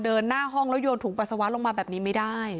หน้าห้องแล้วโยนถุงปัสสาวะลงมาแบบนี้ไม่ได้